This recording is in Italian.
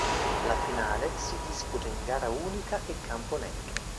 La finale si disputa in gara unica e campo neutro.